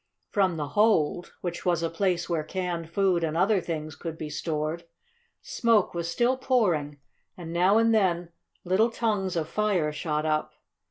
From the hold, which was a place where canned food and other things could be stored, smoke was still pouring, and now and then little tongues of fire shot up.